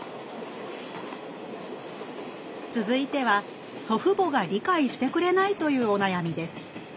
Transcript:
続いては祖父母が理解してくれないというお悩みです